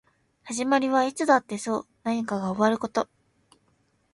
始まりはいつだってそう何かが終わること